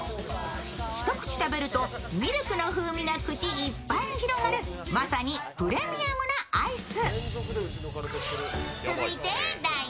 一口食べるとミルクの風味が口いっぱいに広がる、まさにプレミアムなアイス。